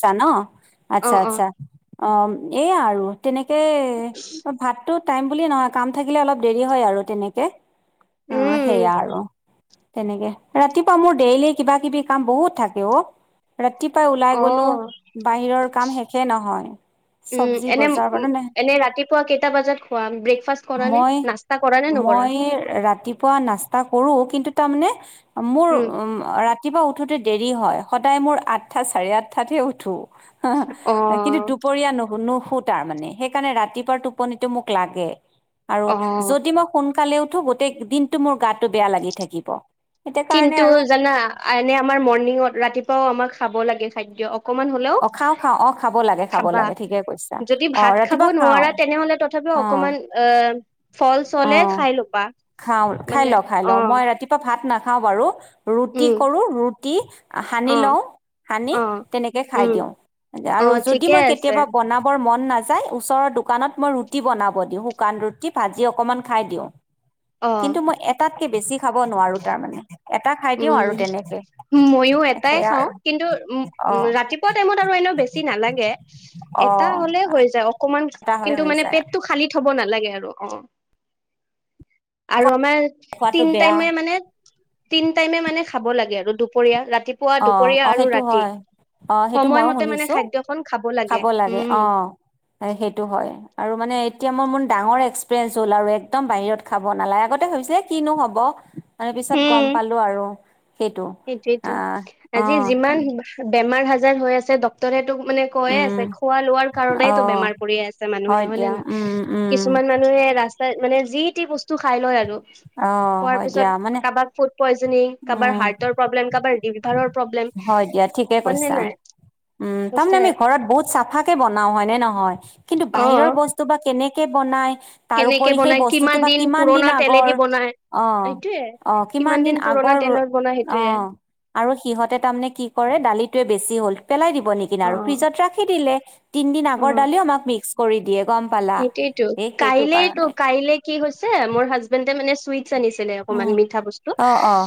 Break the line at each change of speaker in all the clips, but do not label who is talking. চা ন'
অ
আচ্ছা,
অ
আচ্ছা অ', এইয়া আৰু তেনেক তে ভাতটো টাইম বুলি নহয়, কাম থাকিলে অলপ দেৰি হয় আৰু তেনেকে। অ', সেয়া
উম
আৰু। তেনেকে ৰাতিপুৱা মোৰ ডেইলি কিবা কিবি কাম বহুত থাকে অ', ৰাতিপুৱা ওলাই
অ
গ'লো, বাহিৰৰ কাম শেষে নহয়।
উম,
চব্জি
এনে
বজাৰ
উ,
বাৰু নে
এনে ৰাতিপুৱা কেইটা বজাত খোৱা? ব্ৰেকফাষ্ট কৰা নে?
মই
নাস্তা কৰানে ন
মই ৰাতিপুৱা নাস্তা কৰোঁ। কিন্তু তাৰমানে মোৰ উম, ৰাতিপুৱা উঠোতে দেৰি হয় সদায় মোৰ আঠটা, চাৰে আঠ হঠাৎ হে উঠো
অ
কিন্তু দুপৰীয়া নুশুনো কো তাৰমানে সেইকাৰণে ৰাতিপুৱাৰ টোপনিটো মোক লাগে আৰু
অ
যদি মোক সোন সকালে উঠো গোটেই দিনটো মোৰ গাটো বেয়া লাগি থাকিব। সেইটো কাৰণে
কিন্তু
আৰু
জানা এনে আমাৰ মৰ্ণিঙত ৰাতিপুৱাও আমাক খাব লাগে খাদ্য। কমান হ'লেও
অ খাওঁ খাওঁ অ খাব লাগে খাব
খাবা,
লাগে ঠিকে কৈছা
যদি
অ
ভাত খাব
ৰাতিপুৱা খাওঁ
নোৱাৰা তেনেহ'লে তথাপ ৰু
অ
অকমান অ'। ফল চলে
অ',
খাই ল'বা
খাওঁ খাই
মানে
লওঁ, খাই
অ
লওঁ মই ৰাতিপুৱা ভাত নাখাও বাৰু। ৰুটি
উম
কৰোঁ, ৰুটি
অ
সানি লওঁ। সানি
অ
তেনেকে খাই
উম
দিওঁ
অ
আৰু যদি
ঠিকে
মই
আছে
কেতিয়াবা বনাবৰ মন নাযায় ওচৰৰ দোকানত মই ৰুটি বনাব দিওঁ, শুকান ৰুটি, ভাজি অকমান খাই দিওঁ।
অ
কিন্তু মই এটাতকে বেছি খাব নোৱাৰোঁ তাৰমানে। এটা খাই দিওঁ আৰু
উম,
তেনেকে
ময়ো এটাই
সেয়া
খাওঁ
আৰু
কিন্তু উ,
অ
উ, ৰাতিপুৱা টাইমত আৰু এ এনেও বেছি নালাগে,
অ
এটা হ'লে হৈ যায়। আন
এটা হলে
কিন্তু
হৈ
মানে
যায়
পেটটো খালি থ'ব নালাগে আৰু অ', আৰু আমাৰ
খোৱাটো
তিন
বেয়া
টাইমে মানে, তিন টাইমে মানে খাব লাগে আৰু দুপৰীয়া, ৰাত তিপুৱা,
অ
দুপৰীয়া
অ
আৰু
সেইটো
ৰাতি।
হয় অ সেইটো মইও
সময়মতে মানে
শুনিছো
খাদ্যখন খাব লাগে, উম।
আই সেইটো হয় আৰু মানে এতিয়া মোৰ মোৰ ডাঙৰ এক্সপিৰিয়েঞ্চ হ'ল আৰু একদম বাহিৰত খাব নালাগে আগতে ভাবিছিলে কিনো হ'ব। তাৰেপিছত
উম
গম পালোঁ আৰু সেইটো
সেইটোয়েতো।
আ
আজি যিমান বেমাৰ হাজাৰ হৈ আছে ড ডক্টৰেটো মানে কৈয়ে আছে
উম
খোৱা-লোৱাৰ
অ
কাৰণেইটো বেমাৰ পৰি আছে মানুহে হয় নে
দিয়া
নহয়
উম উম
কিছুমান মানুহে ৰাস্তাত মানে যি টি বস্তু খাই লয় আৰু।
অ
হোৱাৰ
হয়
পিছত
দিয়া মানে
কাৰোবাক ফুড পয়জনিং কাৰোবাৰ
উম
হাৰ্ট
হয় দিয়া ঠিকে
হয় নে
কৈছা।
নাই
উম তাৰমানে
সঁচাই
আমি ঘৰত বহুত চাফা কে বনাও হয় নে নহয়? কিন্তু
অ
বাহিৰৰ বস্তু বা কেনেকে বনায়।
কেনেকে
তাৰপৰি সেই
বনাই
বস্তুটো বা কিমান দিন
পুৰণা
আগৰ?
তেলেদি বনাই
অ'
সেইটোয়ে
অ' কিমান দিন
পুৰণা
আগৰ,
তেলত বনাই সেইটোয়ে
অ'। আৰু সিহঁতে তাৰমানে কি কৰে দালিটোৱে বেছি হ'ল পেলাই দিব নেকিন
অ
আৰু ফ্ৰিজত ৰাখি দিলে। তিনদিন আগৰ দালিও আমাক মিক্স কৰি দিয়ে। গম পালা।
সটোতো
এই সেইটো
কাইলেতো
কাৰণে
কাইলে কি হৈছে মোৰ হাজবেণ্ডে মানে নিছে নিছিলে অকমান
উম,
মিঠা বস্ত।
অ', অ',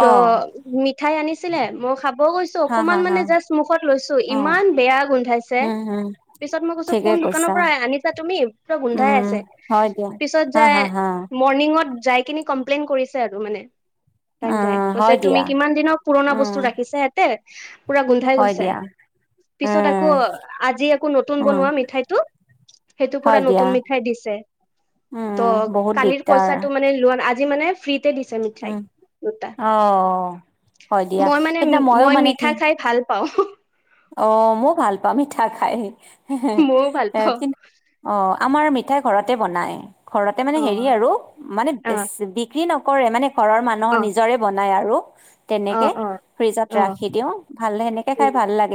ত' মিঠাই আনিছিলে মই খাব গৈছো
হা,
অকমান
হা, হা,
মানে জাষ্ট মুখত লৈছো
অ',
ইমান বেয়া গোন্ধাইছে,
উম, উম,
পিছত মই কৈছো
ঠিকে
কোন দোকানৰ
কৈছা
পৰা আনি াতুমি পোৰা গোন্ধাই
উম,
আছে,
হয় দিয়া
পিছত
হা,
যায়
হা, হা।
মৰ্নিং উঅট যায় কিনি কমপ্লেইন কৰিছে আৰু মানে। তাক যায়,
উম,
কৈছে
হয়
তুমি
দিয়া।
কিমান দিনৰ পুৰণা
উম,
বস্তু ৰাখিছা এতে। পুৰা গোন্ধাই
হয়
গৈছে,
দিয়া।
পিছত আকৌ
উম,
আজি আকৌ নতুন
উম,
বনোৱা মিঠাইতটো এইটো পোৰা
হয় দিয়া।
নতুন মিঠাই দিছে
উম,
ত',
বহুত
কালিৰ
দিগদাৰ।
পইচাটো মানে লৈ আজি মানে ফ্ৰীতে দিছে মিঠাই
উম,
দুটা।
অ'। হয় দিয়া।
মই মানে,
সেইদিনা মইও
মই
মানে কি
মিঠা খাই ভাল পাওঁ।
অ, মই ভাল পাওঁ মিঠা খাই,
মইও ভাল পাওঁ
কিন্তু অ', আমাৰ মিঠ মিঠাই ঘৰতে বনাই, ঘৰতে মানে
অ
হেৰি আৰু মানে
অ
বিক্ৰী নকৰে মানে ঘৰৰ মানুহৰ
অ
নিজৰে বনাই আৰু।
অ
তেনেকে
অ
ফ্ৰিজত
অ
ৰাখি দিও, ভাল সেনেকে
উম
খাই ভাল লাগে।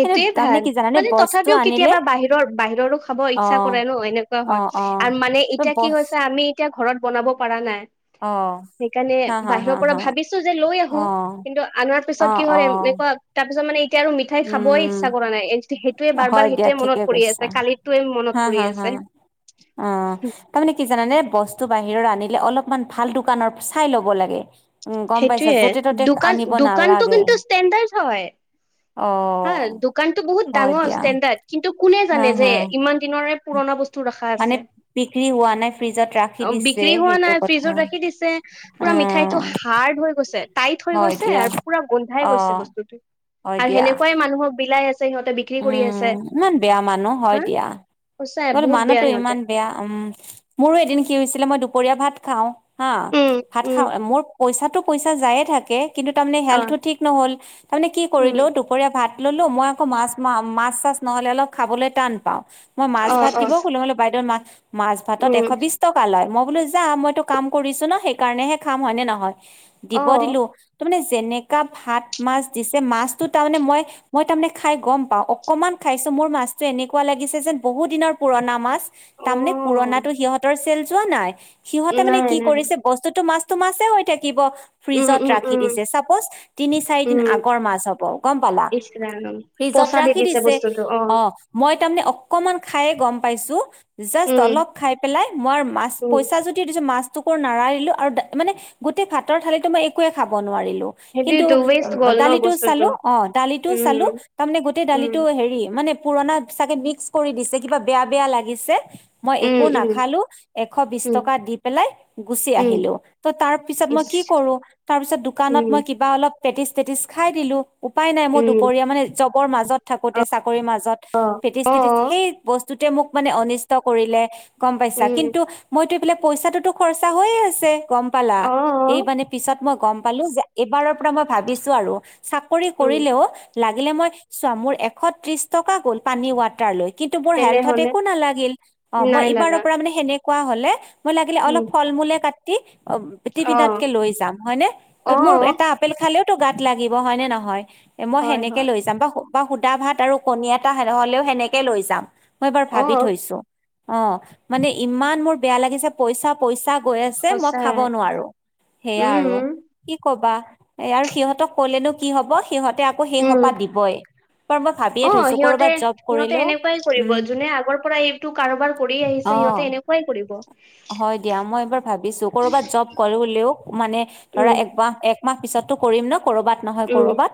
কিন্তু তাৰমানে
ভাল,
কি জানানে
মানে
বস্তু
তথাপিও
আনিলে
কেতিয়াবা বাহিৰৰ বাহিৰৰো খাব ইচ্ছা
অ'
কৰে ন', এনেকুৱা
অ
হয়। আৰু মানে
অ
এতিয়া কি
বছ
হৈছে, আমি এতিয়া ঘৰত বনাব পৰা নাই।
অ'।
সেইকাৰণে
হা হা হা
বাহিৰৰ পৰা
হা
ভাবিছো যে লৈ
অ
আহো, কিন্তু আনাৰ
অ
পিছত কি
অ
হয় এনেকুৱা তাৰ পিছত মানে ঠাই খাবই
উম
ইচ্ছা কৰা নাই সেইটোৱে বাৰ বাৰ
হয় দিয়া
সেইটোৱে মনত
ঠিকে
পৰি
কৈছা
আছে কালিটোৱে মনত
হা
পৰি
হা হা
আছে।
অ' তাৰমানে কি জানানে বস্তু বাহিৰৰ আনিলে, অলপমান ভাল দোকানৰ চাই ল'ব লাগে। উম, গম পাইছা,
সেইটোয়ে
য'তে ত'তে
দোকান
আনিব
দোকানটো
নালাগে।
কিন্তু ষ্টেণ্ডাৰ্ড হয় হা
অ'।
দোকানটো বহুত
হয়
ডাঙৰ
দিয়া
ষ্টেণ্ডাৰ্ড, কিন্তু কোনে
হা
জানে যে
হা
ইমান দিনৰৰে পুৰণা বস্তু টো ৰাখা
মানে
আছে,
বিক্ৰী হোৱা নাই ফ্ৰিজত ৰাখি দিছে
বিক্ৰী হোৱা
সেইটো
নাই,
কথা
ফিজত ৰাখি দিছে, পোৰা মিঠাই টো
উম
হাৰ্ড হৈ গৈছে। টাইট হৈ
হয়
গৈছে
দিয়া
আৰু পুৰা গন্ধাই
অ
গৈছে বস্তুটো
হয়
আৰু
দিয়া
সেনেকুৱ টোমুক বিলাই আছে।
উম,
আছে
ইমান বেয়া মানুহ, হয়
হা
দিয়া।
সঁচাই
বলো
বহুত বেয়া
মানুহতো ইমান
সিহঁতে
বেয়া উম' মোৰো এদিন কি হৈছিলে মই দু দুপৰীয়া ভাত খাওঁ হা,
উম
ভাত
উম
খাওঁ, মোৰ পইচাটো পইচা যায়ে থাকে কিন্তু তাৰমানে
অ
হেল্থো ঠিক নহ'ল তাৰমানে কি
উম
কৰিলো দুপৰীয়া ভাত ললো মই ৌ মাছ মা, মাছ চাছ নহ'লে অলপ খাবলৈ টান পাওঁ মই মাছ
অ
ভাত
অ
দিব ক'লো মলে বাইদেউত মাছ মাছ ভাতত এশ
উম
বিশ টকা লয় মই বোলো যা, মইতো কাম কৰিছো ন', সেইকাৰণেহে খাম হয় নে নহয়?
অ
দিব দিলো ত', মানে যেনেকা ভাত মাছ দিছে, মাছতো তাৰমানে মই মই তাৰমানে খাই গম পাও অকনমান খাইছো, মোৰ মাছতটো এনেকুৱা লাগিছে যেন বহুত দিনৰ পুৰণা মাছ তামনে পুৰনাটো সিহঁতৰ চেল যোৱা নাই,
অ
সিহঁতে মানে
নাই
কি
নাই
কৰিছে, বস্তুতটো মা তোমাছে হৈ থাক ব
উম
ফ্ৰিজত
উম
ৰাখি
উম
দিছে। চাপজ তিনি চাৰি দিন আগৰ মাছ হ'ব, গম পালা।
জানম
ফ্ৰিজত ৰাখি দিছে। অ', মই তাৰমানে অকনমান খাইয়ে গম পাইছো। জাস্ট
উম
অলপ খাই পেলাই। মই মাছ
উম
পইছা যদিও দিছো মাছ টুকুৰা নাৰাৰিলো আৰু মানে গোটেই ভাতৰ থালিতো মই একোৱে খাব নোৱাৰিলো। কিন্তু
সেইটোৱেতো ৱেষ্ট গ'ল ন
দালিতটো
বস্তুটো
চালো। অ', দালিতটো চালো।
উম
তাৰমানে গোটেই
উম
দালিতটো হেৰি মানে পুৰণা চাগে মিক্স কৰি দিছে, কিবা বেয়া বেয়া লাগিছে। মই
উম
একো
উম উম
নাখালো এশ বিছ
উম
টকা দি পেলাই গুচি
উম
আহিলো। ত', তাৰ পিছত মই
ইচ
কি কৰো, তাৰপিছত দোকানত
উম
মই কিবা অলপ পেটিছ তেটতিচ খাই দিলো, উপায় নাই। মই
উম
দুপৰীয়া মানে জবৰ মাজত থাকোতে চা কৰিৰ মাজত,
অ
পেতিছ
অ
তেটিছ। সেই বস্তুতে মোক মানে অনিষ্ট কৰিলে। গম পাইছা
উম
কিন্তু মইতো এই বিলাক পইচাটোতো খৰচা হৈয়ে আছে গম পালা
অ
এই মানে পিছত মই গম পালো যে এইবাৰৰ পৰা মই ভাবিছো আৰু চাকৰি
উম
কৰিলেও লাগিলে মই চোৱা মোৰ এশ ত্ৰিশ টকা গ'ল পানী ৱাটাৰ লৈ। কিন্তু মোৰ হেল্থত
তেনেহলে
একো নালাগিল অ মই
নাই
এইবাৰৰ
লাগা
পৰা মানে সেনেকোৱা হলে মই লাগিলে
উম
অলপ ফল মূলে কাটি অ
অ
টিফিনতকে লৈ যাম হয়নে।
অ
মোৰ এটা আপেল খালেও গাত লাগিব হয় নে নহয় এ মই
হয়
সেনেকে
হয়
লৈ যাম। বা বা সুদা ভাত আৰু কণী এটা হলেও সেনেকে লৈ যাম মই এবাৰ
অ
ভাবি থৈছো। অ' মানে ইমান মোৰ বেয়া লাগিছে পইচা পইচা গৈ আছে মই খাব
সঁচাই
নোৱাৰো। সেয়া আৰু
উম
কি কবা এ আৰু সিহঁতক ক'লে নো কি হ'ব সিহঁতে আকৌ সেই সোপা
উম
দিবই। মই ভাবি
অ' সিহঁতে সিহঁতে এনেকুৱাই কৰিব যোনে আগৰ পৰা এইটো কাৰোবাৰ কৰি আহিছে
অ
সিহঁতে এনেকুৱাই কৰিব।
হয় দিয়া মই এইবাৰ ভাবিছো কৰবাত জব কৰিলেও মানে ধৰা
উম
একমাহ একমাহ পিছতো কৰিম ন কৰবাত নহয়
উম
কৰবাত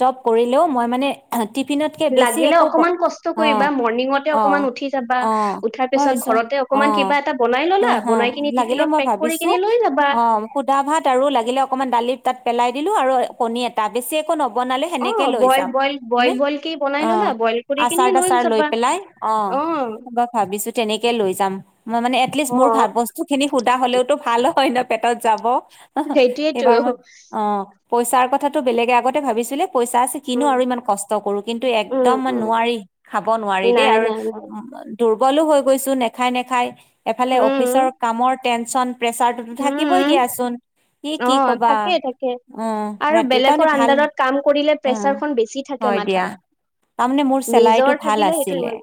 জব কৰিলেও মই মানে- টিফিনতকে বেছি
লাগিলে
একো
অকনমান কষ্ট
অ
কৰিবা মৰ্নিং
অ
অকনমান উঠি যাবা
অ
উঠাৰ
মই
পিছত
ভাবিছো
ঘৰতে অকনমান
অ
কিবা এটা বনাই লয়
অ' হ লাগিলে মই ভাবিছো
যাবা
অ সুধা ভাত আৰু লাগিলে অকমান ডালি তাত পেলাই দিলো আৰু কণী এটা বেছি একো নক বনালে
অ
সেনেকে লৈ
বইল
যাম
বইল
হনে।
বইল বইল কি বনাই ললা
অ'
বইল কৰি কিনি
আচাৰ তাচাৰ লৈ
যাবা
পেলাই অ'। মই ভাবিছো তেনেকে লৈ যাম। মানে এটলিষ্ট
অ
মোৰ ভাল বস্তু খিনি সোধা হলেওতো ভাল হয় ন পেটত যাব।
সেইটোয়েতো
এইবাৰ মই অ পইচাৰ কথাটো বেলেগ আগতে ভাবিছিলো পইচা আছে কিনো
উম
আৰু ইমান কষ্ট কৰো। কিন্তু
উম
একদম
উম
নোৱাৰি খাব নোৱাৰি দেই
নাই
আৰু
নাই নাই
উম দুৰ্বলও হৈ গৈছো নেখাই নেখাই এফালে অফিচৰ
উম
কামৰ টেনচন প্ৰেচাৰটো থাকিবই
উম
দিয়াচোন। ই
অ
কি কৱা
থাকে থাকে
উম
আৰু
ৰাতিও তাৰমানে
বেলেগৰ
ভাল
আণ্ডাৰত কাম কৰিলে
উম
প্ৰেচাৰখন বেছি থাকে
হয় দিয়া।
মাথাত
তাৰমানে মোৰ চেলাৰিটো
নিজৰ
ভাল
থাকিলে সেইটো
আছিলে।
ইমান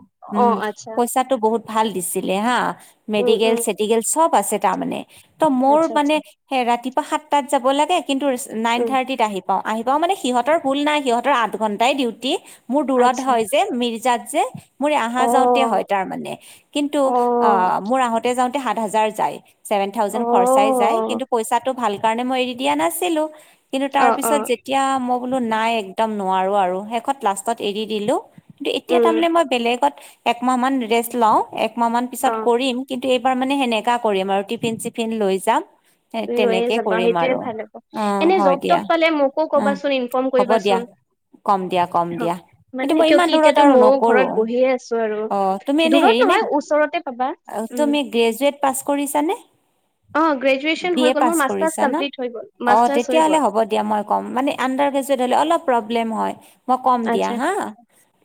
অ
উম
আচ্ছা
পইচাটো বহুত ভাল দিছিলে হা
উম
মেডিকেল
উম
মেডিকেল চব আছে তাৰ মানে ত' মোৰ
আচ্ছা
মানে
আচ্ছা
ৰাতিপুৱা সাতটাত যাব লাগে কিন্তু নাইন
উম
থাৰ্টিত আহি পাওঁ আহি পাওঁ মানে সিহঁতৰ ভুল নাই সিহঁতৰ আঠ ঘন্টাই ডিউটি মোৰ দূৰত
আচ্ছা
হয় যে। মিৰ্জাত যে মোৰ
অ
আহা যাওঁতে হয় তাৰ মানে কিন্তু
অ
আহ মোৰ আহোতে যাওঁতে সাত হাজাৰ যায়। ছেভেন
অ
থাউজেন খৰচাই যায় কিন্তু পইচাটো ভাল কাৰণে মই এৰি দিয়া নাছিলো। কিন্তু
অ
তাৰ
অ
পিছত যেতিয়া মই বোলো নাই একদম নোৱাৰো আৰু শেষত লাষ্টত এৰি দিলো। কিন্তু এতিয়া
উম
তাৰমানে মই বেলেগত একমাহ মান ৰেষ্ট লও একমাহ মান
অ
পিছত কৰিম। কিন্তু এইবাৰ মানে সেনেকা কৰিম আৰু টিফিন চিফিন লৈ যাম।
লৈয়ে
তেনেকে
যাবা
কৰিম
সেইটোয়ে
আৰু
ভাল হ'ব
অ
এনে
হয়
জব
দিয়া
তপ পালে মোকো
আহ
কবাচোন ইনফৰ্ম
হ'ব দিয়া।
কৰিবাচোন
কম দিয়া কম দিয়া। কিন্তু
মানে
মই
কিয়
ইমান
কি
দূৰত
এতিয়াতো
আৰু
ময়ো
নকৰো
ঘৰত বহিয়ে আছো আৰু
অ তুমি এনে
দূৰত
হেৰি নে
নহয় ওচৰতে পাবা উম
তুমি গ্ৰেজুৱেট পাছ কৰিছা নে?
অ গ্ৰেজুৱেচন
বি
হৈ
এ
গ'ল
পাছ
মোৰ মাষ্টাৰ্ছ
কৰিছা ন
কমপ্লিট হৈ গ'ল
অ
মাষ্টাৰ্ছ
তেতিয়
হৈ
হলে
গ'ল
হ'ব দিয়া মই ক'ম মানে আণ্ডাৰ গ্ৰেজুৱেট হলে অলপ। মই কম দিয়া
আচ্ছা
হা।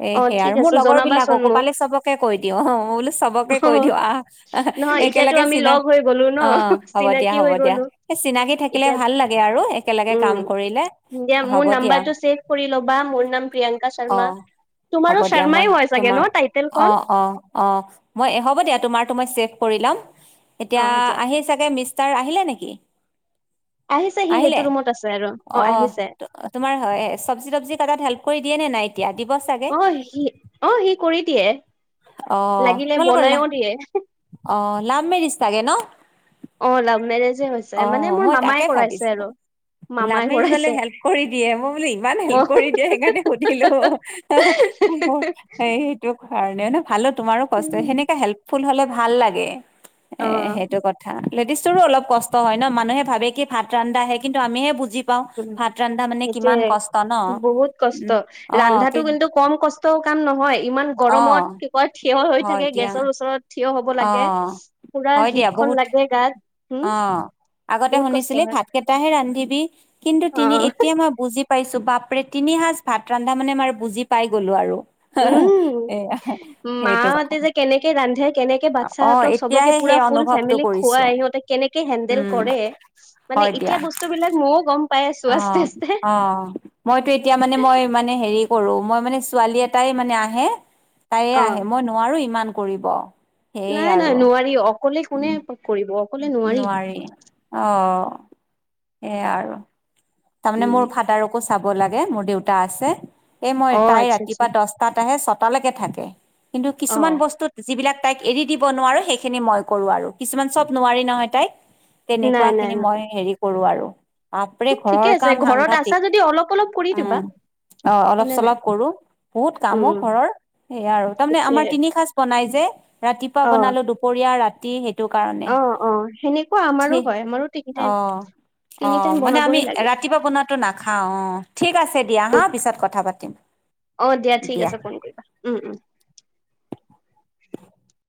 এ
অ
সেয়া
ঠিক
আৰু মোৰ
আছে
লগৰ
জনাবাচোন
বিলাকক
মোক
পালে চবকে কৈ দিওঁ অ মই বো চবকে
অ
কৈ দি। আহ
নহয় এতিয়াতো
একেলগে
আমি
চিনাক
লগ হৈ গলো ন
অ হ'ব দিয়া
চিনাকি
হ'ব
হৈ
দিয়া
গলো
সেই চিনাকি থাকিলে।
এতিয়া
ভাল লাগে আৰু একেলগে কাম
উম
কৰিলে
দিয়া মোৰ
হ'ব দিয়া।
নাম্বাৰটো ছেভ কৰি ল'বা মোৰ নাম প্ৰিয়ংকা
অ
শৰ্মা।
হ'ব
তোমাৰো
দিয়া
শৰ্মাই
মই
হয় চাগে ন
তোমাৰ
টাইটেলখন
অ-অ-অ মই হ'ব দিয়া। তোমাৰ টু মই চেভ কৰি লয়
অ দিয়া
এতিয়া মিষ্টাৰ আহিল নিকি?
আহিছে সি সেইটো ৰুমত আছে। আৰু আহিছে
অ' তোমাৰ হয় চবজি তবজি কাটাত হেল্প কৰি দিয়ে নে নাই। এতিয়া দিব চাগে
অ সি অ সি কৰি দিয়ে
আহ
লাগিলে
তোমাল কৰিলা।
বনাইও দিয়ে
অ' লাম মেৰিছ তাকে ন।
অ' লাভ মেৰেজে হৈছে মানে মোৰ মামাই কৰাইছে আৰু। মামাই
লামে জলে
কৰাইছে
হেল্প কৰি দিয়ে মই বোলে ইমান
অ
হেল্প কৰি দিয়ে সেইকাৰণে সুধিলো। এই এইটো মান ন ভালো তোমাৰো কষ্ট সেনেকাে হেল্পফুল হলে ভাল লাগে এ
অ
সেইটো কথা। লেডিজৰো অল কষ্ট হয় ন মানুহে ভাবে কি ভাত ৰান্ধা আহে কিন্তু আমিহে বুজি। পাওঁ
উ
ভাত ৰন্ধা মানে কিমান
সেইটোয়ে
কষ্ট ন
বহুত কষ্ট
উম অ', কি
ৰন্ধাটো কিন্তু কম কষ্ট। টান নহয় ইমান গৰম ত
অ',
কি কয় থিয় হৈ
হয়
থাকে
দিয়া
গেছৰ ওচৰত থিয় হ'ব লাগে
অ',
পুৰা
হয়
হিট
দিয়া
খন
বহুত
লাগে গাত। উম
অ আগতে
বহুত কষ্ট
শুনিছিলি
হয়
ভাত কেইটাহে ৰান্ধিবি কিন্তু
অ
তিনি এতিয়া মই বুজি। পাইছো বাপৰে তিনি সাঁজ ভাত ৰান্ধা মানে ম আৰু বুজি পাই গ'লো আৰু।
উম,
এয়া সেইটো কথা
মাহতে যে কেনেকে ৰান্ধে কেনেকে
অ',
বাচ্ছাহতক চবকে।
এতিয়াহে
পোৰা
সেই
ফুল
অনুভৱটো
ফেমিলি
কৰিছো।
খুৱাই সিহঁতে কেনেকে হেণ্ডেল
উম,
কৰে এতিয়া বস্তু বিলাক ময়ো গম পাই আছো আস্তে আস্তে
অ-অ মইতো এতিয়া মানে মই মানে হেৰি কৰো মই মানে ছোৱালী এটাই মানে আহে তাইে আহে মই নোৱাৰো ইমান কৰিব। সেই আৰু
নাই-নাই নোৱাৰি অকলে কোনে
উম,
কৰিব।
নোৱাৰি অ সেইয়াই আৰু। তাৰমানে
উম
মোৰ ফাদাৰকো চাব লাগে মোৰ দেউতা আছে। এই মই
অ
তাই
আচ্ছা আচ্ছা
ৰাতিপুৱা দহটাত আহে ছটালৈকে থাকে কিন্তু
অ
কিছুমান বস্তু যিবিলাক তাইক এৰি দিব নোৱাৰো সেইখিনি মই কৰো আৰু কিছুমান চব নোৱাৰি নহয় তাইক
নাই
তেনেকুৱা
নাই
খিনি মই
নাই
হেৰি কৰো আৰু। তাৰাপৰে
ঠিকে
ঘৰৰ
আছে
কাম
ঘৰত আছা
সাংঘাতিক
যদি অলপ অলপ কৰি দিবা
উম, অ অলপ
হয়নে নাই
চলপ কৰো বহুত কামো
উম
ঘৰৰ সেয়া আৰু তাৰমানে আমাৰ
সেইটোয়ে
তিনি সাঁজ বনাই যে। যে ৰাতিপুৱা
অ
বনালো দুপৰীয়া ৰাতি স টো কাৰণে
অ অ সেনেকুৱা আমাৰো হয় আমাৰো তিনি টাইম
অ-অ
তিনি টাইম
মানে আমি
বনাবই লাগে
ৰাতিপুৱা বনাতো নাখাও অ', ঠিক আছে দিয়া হাঁ পিছত কথা পাতিম
অ ঠিক
দিয়া।
আছে ফোন কৰিবা উম উম
[inaudible]